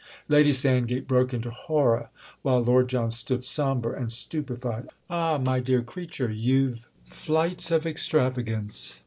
Lady Sandgate broke into horror while Lord John stood sombre and stupefied. "Ah, my dear creature, you've flights of extravagance——!"